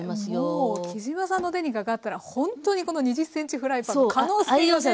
もう杵島さんの手にかかったらほんとにこの２０ｃｍフライパンの可能性がね。